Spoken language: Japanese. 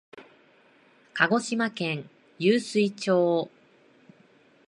鹿児島県湧水町